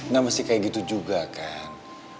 nah mesti kayak gitu juga kan